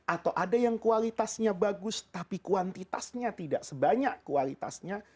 atau ada yang kualitasnya bagus tapi kuantitasnya tidak sebanyak kualitasnya